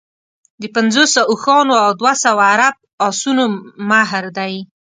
د پنځوسو اوښانو او دوه سوه عرب اسونو مهر دی.